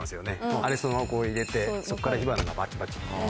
あれそのままこう入れて、そこから火花がばちばち。